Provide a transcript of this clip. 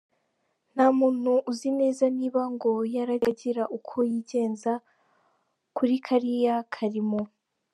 Nta muntu uzi neza niba ngo yarajyaga agira uko yigenza kuri kariya karimo.